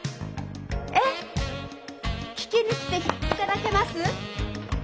えっ聞きに来ていただけます？